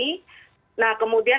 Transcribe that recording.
nah kemudian kami jadikan